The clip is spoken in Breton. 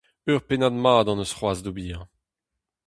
Ur pennad mat hon eus c'hoazh da ober.